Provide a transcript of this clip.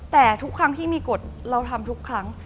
แต่ทุกครั้งที่มีกฎเราทำทุกครั้ง